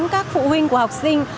các phụ huynh của học sinh